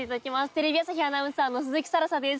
テレビ朝日アナウンサーの鈴木新彩です。